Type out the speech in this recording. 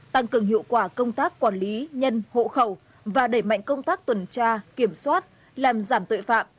tăng cường hiệu quả công tác quản lý nhân hộ khẩu và đẩy mạnh công tác tuần tra kiểm soát làm giảm tội phạm